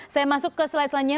saya masuk ke slide selanjutnya